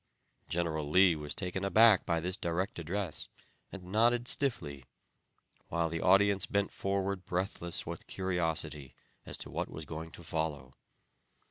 General Lee was taken aback by this direct address, and nodded stiffly, while the audience bent forward breathless with curiosity as to what was going to follow.